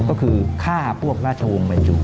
ก็คือฆ่าพวกราชวงศ์บรรจุ